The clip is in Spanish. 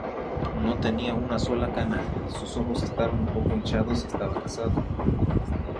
No tenía una sola cana, sus ojos estaban un poco hinchados y estaba casado.